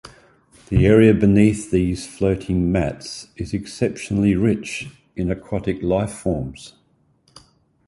The area beneath these floating mats is exceptionally rich in aquatic lifeforms.